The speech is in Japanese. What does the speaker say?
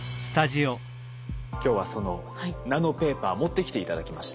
今日はそのナノペーパー持ってきて頂きました。